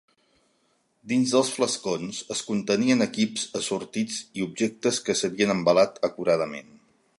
Dins dels flascons es contenien equips assortits i objectes que s'havien embalat acuradament.